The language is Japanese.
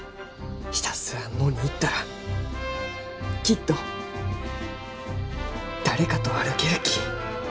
ひたすら野に行ったらきっと誰かと歩けるき。